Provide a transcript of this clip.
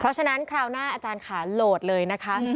เพราะฉะนั้นคราวหน้าอาจารย์ค่ะโหลดเลยนะคะ